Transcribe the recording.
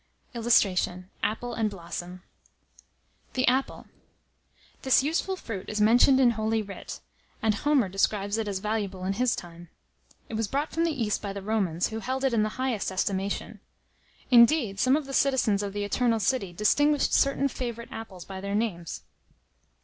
[Illustration: APPLE AND BLOSSOM.] THE APPLE. This useful fruit is mentioned in Holy Writ; and Homer describes it as valuable in his time. It was brought from the East by the Romans, who held it in the highest estimation. Indeed, some of the citizens of the "Eternal city" distinguished certain favourite apples by their names.